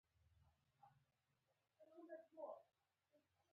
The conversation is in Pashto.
نړیوالې تجارتي اړیکې لرلې.